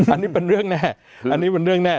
อันนี้เป็นเรื่องแน่อันนี้เป็นเรื่องแน่